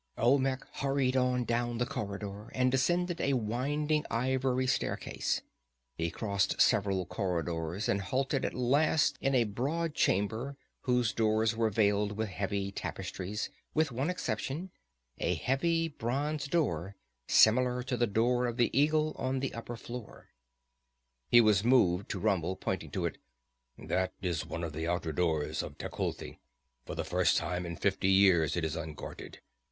Olmec hurried on down the corridor, and descended a winding ivory staircase. He crossed several corridors and halted at last in a broad chamber whose doors were veiled with heavy tapestries, with one exception a heavy bronze door similar to the Door of the Eagle on the upper floor. He was moved to rumble, pointing to it: "That is one of the outer doors of Tecuhltli. For the first time in fifty years it is unguarded.